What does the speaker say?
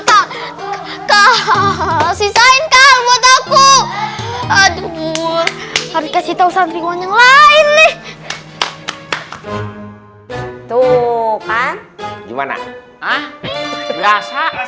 kakak sisain kak buat aku aduh gue harus kasih tau santriwan yang lain nih tuh kan gimana ah